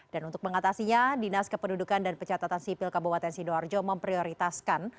dan untuk mengatasinya dinas kependudukan dan catatan sipil kabupaten sidoarjo memprioritaskan